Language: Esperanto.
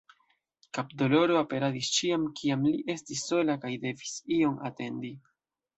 Kapdoloro aperadis ĉiam kiam li estis sola kaj devis ion atendi.